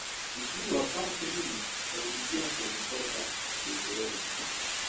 Mtindo wa pasi nyingi ukaingia kwenye soka la kiingereza